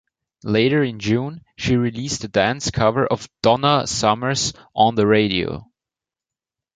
Later in June, she released a dance cover of Donna Summer's "On the Radio".